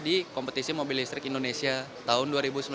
di kompetisi mobil listrik indonesia tahun dua ribu sembilan belas